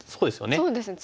そうですね